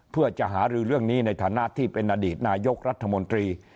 เพื่อจะหารือเรื่องนี้ในฐานะที่เป็นอดีตนายกรัฐมนตรี